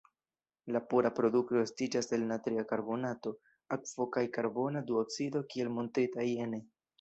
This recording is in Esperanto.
La pura produkto estiĝas el natria karbonato, akvo kaj karbona duoksido kiel montrita jene.